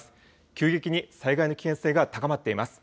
急激に災害の危険性が高まっています。